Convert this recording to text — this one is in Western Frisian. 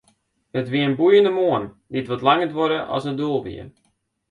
It wie in boeiende moarn, dy't wat langer duorre as it doel wie.